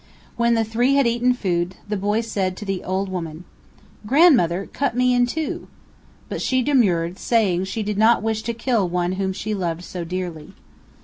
When the three had eaten food, the boy said to the old woman: "Grandmother, cut me in two!" But she demurred, saying she did not wish to kill one whom she loved so dearly.